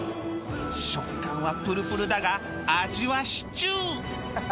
食感はプルプルだが味はシチュー